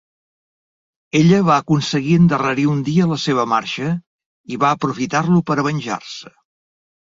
Ella va aconseguir endarrerir un dia la seva marxa i va aprofitar-lo per a venjar-se.